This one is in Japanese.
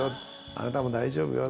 あなたも大丈夫よ。